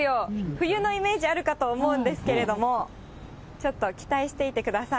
冬のイメージあるかと思うんですけれども、ちょっと期待していてください。